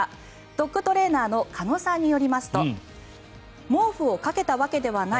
ドッグトレーナーの鹿野さんによりますと毛布をかけたわけではない。